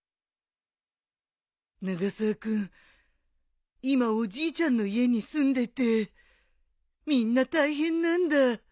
永沢君今おじいちゃんの家に住んでてみんな大変なんだ。